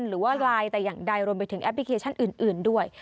หรือว่าไลน์แต่อย่างใดรวมไปถึงแอปพลิเคชันอื่นด้วย